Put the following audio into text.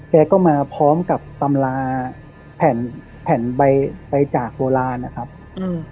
แกก็มาพร้อมกับตำราแผ่นแผ่นใบไปใบจากโบราณนะครับอืม